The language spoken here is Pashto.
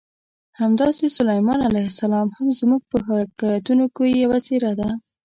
همداسې سلیمان علیه السلام هم زموږ په حکایتونو کې یوه څېره ده.